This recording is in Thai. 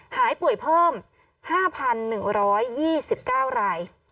หายป่วยเพิ่ม๕๑๒๙ราย